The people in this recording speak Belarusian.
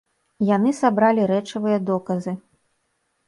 Яны сабралі рэчавыя доказы.